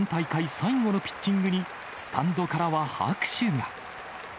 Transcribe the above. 最後のピッチングに、スタンドからは拍手が。